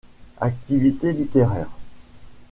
Activités littéraires.